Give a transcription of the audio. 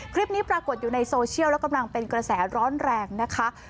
คลิปนี้ปรากฏอยู่ในโซเชียลแล้วกำลังเป็นกระแสร้อนแรงนะคะ